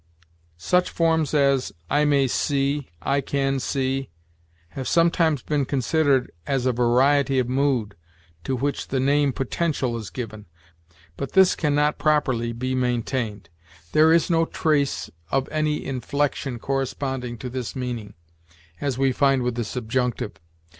"Such forms as 'I may see,' 'I can see,' have sometimes been considered as a variety of mood, to which the name 'Potential' is given. But this can not properly be maintained. There is no trace of any inflection corresponding to this meaning, as we find with the subjunctive.